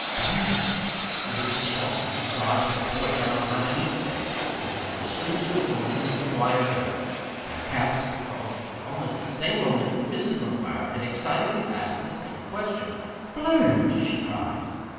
"Blurred?" It was a startled little cry from the boy down by the beet bed; but neither Susan nor Mrs. McGuire heard perhaps because at almost the same moment Mrs. McGuire had excitedly asked the same question. "Blurred?" she cried.